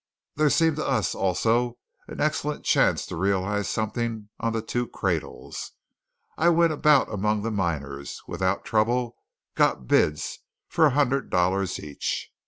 There seemed to us also an excellent chance to realize something on the two cradles. I went about among the miners, and without trouble got bids for a hundred dollars each.